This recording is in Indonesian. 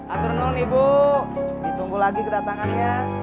aturnal ibu ditunggu lagi kedatangan